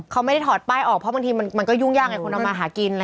เขาไม่ได้ถอดป้ายออกเพราะบางทีมันมันก็ยุ่งยากไงควรเอามาหากินอะไรอย่างนี้